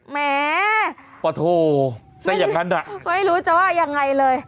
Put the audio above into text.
แหม่ไม่รู้จะว่ายังไงเลย